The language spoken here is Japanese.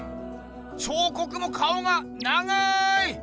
彫刻も顔が長い！